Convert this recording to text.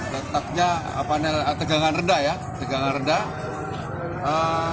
letaknya tegangan rendah ya tegangan rendah